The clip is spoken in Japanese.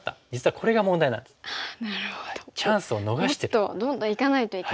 もっとどんどんいかないといけない。